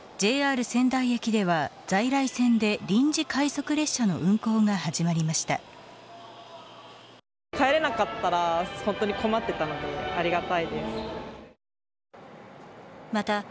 ＪＲ仙台駅では在来線で臨時快速列車の運行が始まりました。